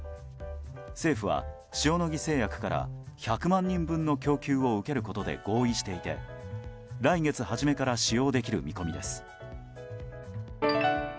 政府は、塩野義製薬から１００万人分の供給を受けることで合意していて来月初めから使用できる見込みです。